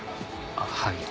あっはい。